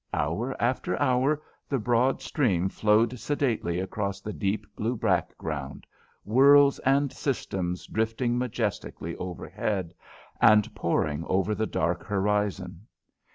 Hour after hour the broad stream flowed sedately across the deep blue background, worlds and systems drifting majestically overhead, and pouring over the dark horizon.